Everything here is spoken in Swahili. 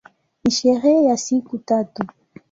Ni sherehe ya siku tatu.